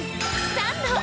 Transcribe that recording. サンド！